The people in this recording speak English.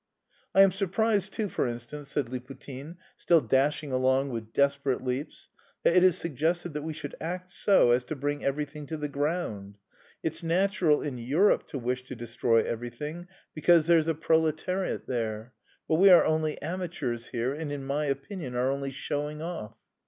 "I am surprised, too, for instance," said Liputin, still dashing along with desperate leaps, "that it is suggested that we should act so as to bring everything to the ground. It's natural in Europe to wish to destroy everything because there's a proletariat there, but we are only amateurs here and in my opinion are only showing off."